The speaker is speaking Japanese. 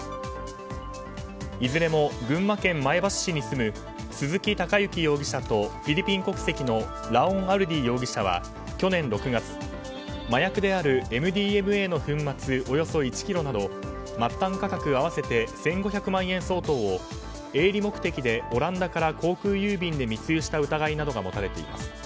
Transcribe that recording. いずれも群馬県前橋市に住む鈴木貴之容疑者とフィリピン国籍のラオン・アルディ容疑者は去年６月麻薬であるＭＤＭＡの粉末およそ１ｋｇなど、末端価格合わせて１５００万円相当を営利目的でオランダから航空郵便で密輸した疑いなどが持たれています。